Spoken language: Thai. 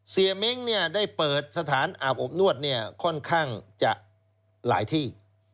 เสียเม้งได้เปิดสถานอาบอบนวดค่อนข้างจะหลายที่